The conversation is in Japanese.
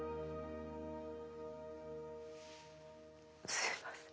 すいません。